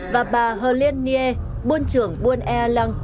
và bà hờ liên niê buôn trưởng buôn ea lăng